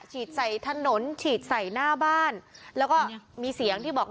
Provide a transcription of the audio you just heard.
ฉีดใส่ถนนฉีดใส่หน้าบ้านแล้วก็มีเสียงที่บอก